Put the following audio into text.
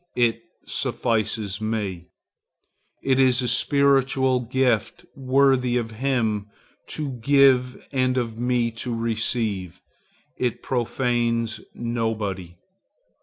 It suffices me. It is a spiritual gift worthy of him to give and of me to receive. It profanes nobody.